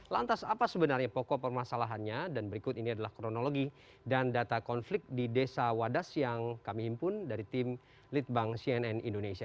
lantas apa sebenarnya pokok permasalahannya dan berikut ini adalah kronologi dan data konflik di desa wadas yang kami himpun dari tim litbang cnn indonesia